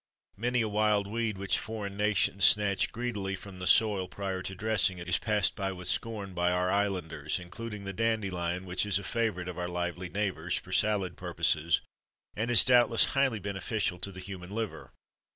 Many a wild weed which foreign nations snatch greedily from the soil, prior to dressing it, is passed by with scorn by our islanders, including the dandelion, which is a favourite of our lively neighbours, for salad purposes, and is doubtless highly beneficial to the human liver.